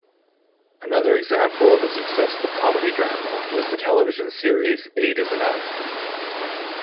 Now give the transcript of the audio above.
Another example of a successful comedy-drama was the television series "Eight Is Enough".